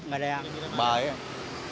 paling paling hanya empat dikirim